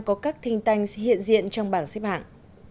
các thinh tanks hiện diện trong bảng xếp hạng